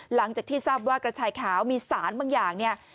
หลังจากที่ทราบว่ากระชายขาวมีสารบางอย่างเนี่ย